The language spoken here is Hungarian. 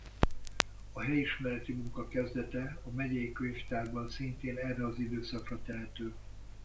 A helyismereti munka kezdete a megyei könyvtárban szintén erre az időszakra tehető.